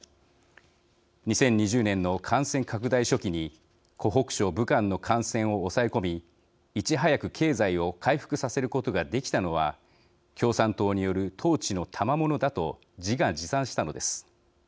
２０２０年の感染拡大初期に湖北省武漢の感染を抑え込みいち早く経済を回復させることができたのは共産党による統治のたまものだと自画自賛したのです。